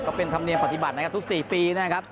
ก็เป็นธรรมเนียมปฏิบัตินะครับทุก๔ปีนะครับ